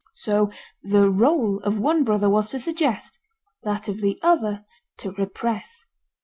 So the role of one brother was to suggest, that of the other to repress.